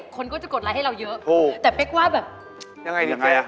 คนก็จะกดไลค์ให้เราเยอะ